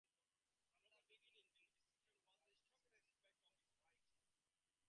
From the beginning, vivid description was the strongest aspect of his writing.